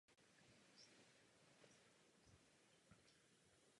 Práce trvala dva roky a dílo může být interpretováno několika způsoby.